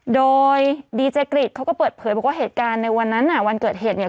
โดยดีเจกริจเขาก็เปิดเผยบอกว่าเหตุการณ์ในวันนั้นน่ะวันเกิดเหตุเนี่ย